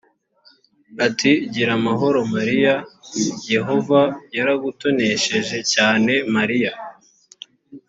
ati “gira amahoro mariya. yehova yaragutonesheje cyane mariya…”